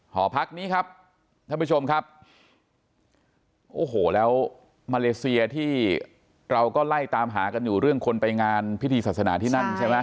หอพักนี้ครับท่านผู้ชมครับโอ้โหแล้วมาเลเซียที่เราก็ไล่ตามหากันอยู่เรื่องคนไปงานพิธีศาสนาที่นั่นใช่ไหม